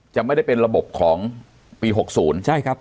จะไม่ได้เป็นระบบของปี๖๐